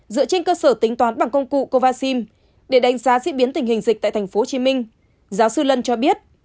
dựa trên cơ sở tính toán bằng công cụ kovacim để đánh giá diễn biến tình hình dịch tại tp hcm giáo sư lân cho biết